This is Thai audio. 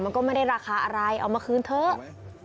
มันก็ไม่ได้ราคาอะไรเอามาคืนเถอะ